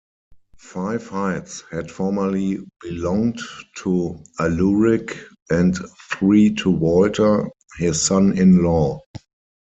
Five hides had formerly belonged to Aluric and three to Walter, his son-in-law.